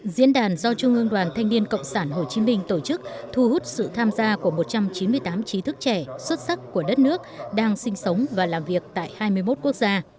diễn đàn do trung ương đoàn thanh niên cộng sản hồ chí minh tổ chức thu hút sự tham gia của một trăm chín mươi tám trí thức trẻ xuất sắc của đất nước đang sinh sống và làm việc tại hai mươi một quốc gia